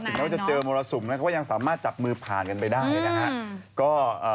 แม้ว่าจะเจอมรสุมนะเขาก็ยังสามารถจับมือผ่านกันไปได้นะฮะ